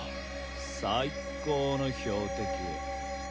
最高の標的。